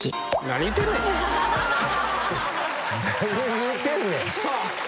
何言うてんねん。